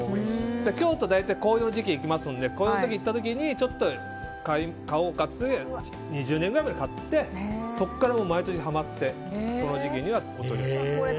京都、大体紅葉の時期に行きますんで紅葉の時に行った時にちょっと買おうかといって２０年ぐらい前に買ってそこから毎年ハマってこの時期にはお取り寄せ。